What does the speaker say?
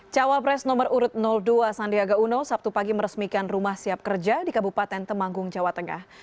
cawa pres nomor urut dua sandiaga uno sabtu pagi meresmikan rumah siap kerja di kabupaten temanggung jawa tengah